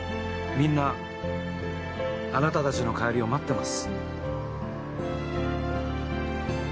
みんなあなたたちの帰りを待ってます。